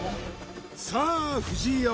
さあ藤井よ